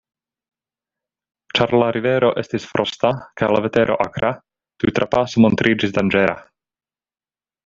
Ĉar la rivero estis frosta kaj la vetero akra, tiu trapaso montriĝis danĝera.